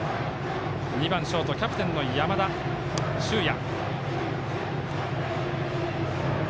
２番ショートキャプテンの山田脩也。